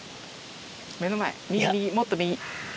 目の前右右もっと右。